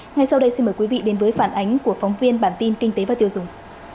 ngay sau đây xin mời quý vị đến với phản ánh của phóng viên bản tin kinh tế và tiêu dùng